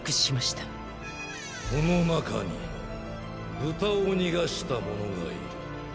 この中に豚を逃がした者がいる。